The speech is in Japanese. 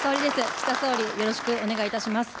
岸田総理、よろしくお願いいたします。